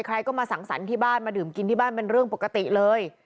ใครก็มาสั่งสรรค์ที่บ้านมาดื่มกินที่บ้านเป็นเรื่องปกติเลย